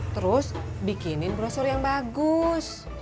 terus bikinin brosur yang bagus